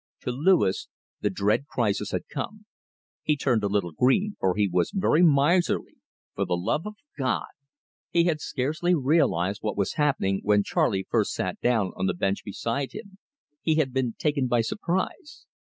To Louis the dread crisis had come. He turned a little green, for he was very miserly for the love of God. He had scarcely realised what was happening when Charley first sat down on the bench beside him. He had been taken by surprise.